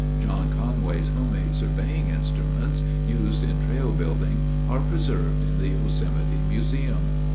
John Conway's homemade surveying instruments used in trail building are preserved in the Yosemite Museum.